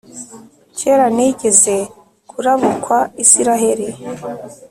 Kera nigeze kurabukwa Israheli,